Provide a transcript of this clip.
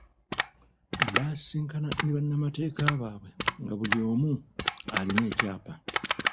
Baasisinkana ne bannamateeka baabwe nga buli omu alina ekyapa.